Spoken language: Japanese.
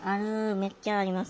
めっちゃあります。